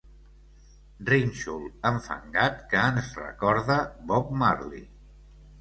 Rínxol enfangat que ens recorda Bob Marley.